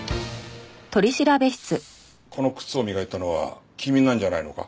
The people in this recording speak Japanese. この靴を磨いたのは君なんじゃないのか？